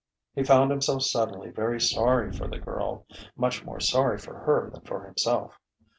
He found himself suddenly very sorry for the girl much more sorry for her than for himself.